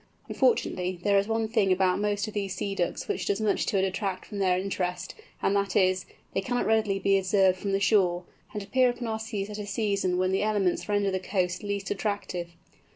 Unfortunately, there is one thing about most of these Sea Ducks which does much to detract from their interest, and that is, they cannot readily be observed from the shore, and appear upon our seas at a season when the elements render the coast least attractive.